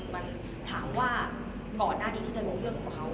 มันถามว่าก่อนหน้านี้ที่จะรู้เรื่องของเขา